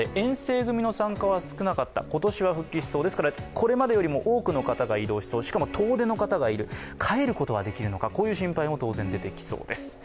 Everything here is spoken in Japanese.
これまでより多くの方が参加しそう帰ることはできるのか、こういう心配も当然出てきそうです。